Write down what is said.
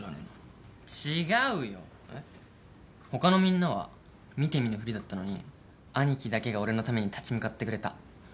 他のみんなは見て見ぬふりだったのにアニキだけが俺のために立ち向かってくれた。